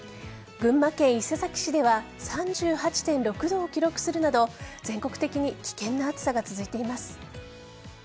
群馬県伊勢崎市では３８．６度を記録するなど全国的に危険な暑さが続いています。